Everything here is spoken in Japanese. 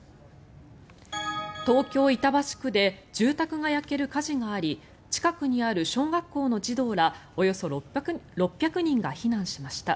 東京・板橋区で住宅が焼ける火事があり近くにある小学校の児童らおよそ６００人が避難しました。